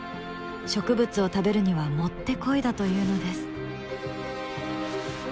植物を食べるにはもってこいだというのです。